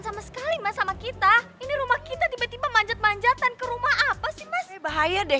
sama sekali mas sama kita ini rumah kita tiba tiba manjat manjatan ke rumah apa sih mas bahaya deh